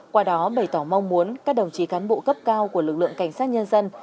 qua đó bày tỏ mong muốn các đồng chí cán bộ cấp cao của lực lượng cảnh sát nhân dân